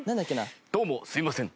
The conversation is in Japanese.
どもすみません。